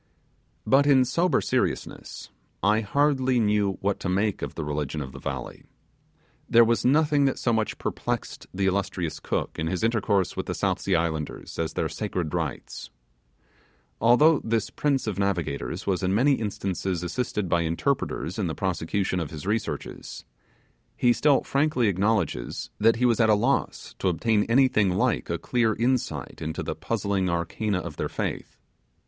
But in sober seriousness, I hardly knew what to make of the religion of the valley. There was nothing that so much perplexed the illustrious Cook, in his intercourse with the South Sea islanders, as their sacred rites. Although this prince of navigators was in many instances assisted by interpreters in the prosecution of his researches, he still frankly acknowledges that he was at a loss to obtain anything like a clear insight into the puzzling arcana of their faith.